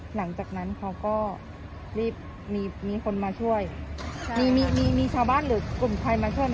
หลังจากนั้นเขาก็รีบมีมีคนมาช่วยมีมีชาวบ้านหรือกลุ่มใครมาช่วยไหม